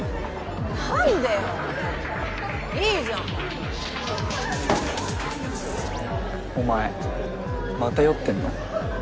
なんでよいいじゃんお前また酔ってんの？